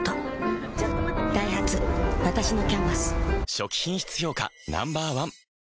初期品質評価Ｎｏ．１